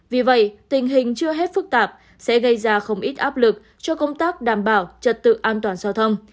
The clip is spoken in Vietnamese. vì vậy tình hình chưa hết phức tạp sẽ gây ra không ít áp lực cho công tác đảm bảo trật tự an toàn giao thông